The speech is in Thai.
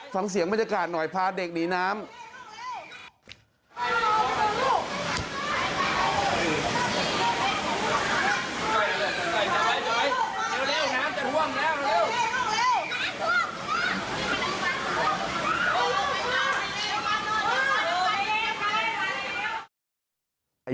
ฟังเสียงบรรยากาศหน่อยพาเด็กหนีน้ำ